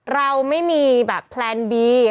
เราไม่มีแบบแพลนบี